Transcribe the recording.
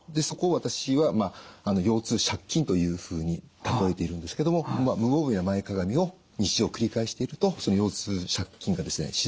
そこを私は腰痛借金というふうに例えているんですけども無防備な前かがみを日常繰り返していると腰痛借金がですね